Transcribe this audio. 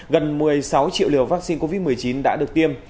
gần một mươi sáu triệu liều vaccine covid một mươi chín đã được tiêm